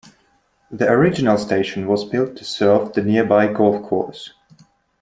The original station was built to serve the nearby golf course.